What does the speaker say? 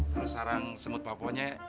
terus sarang semut papuanya